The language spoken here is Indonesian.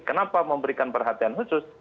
kenapa memberikan perhatian khusus